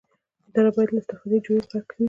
اداره باید له استفاده جویۍ پاکه وي.